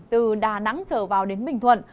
từ đà nẵng trở vào đến bình thuận